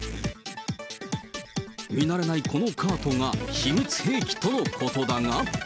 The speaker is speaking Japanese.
見慣れないこのカートが、秘密兵器とのことだが。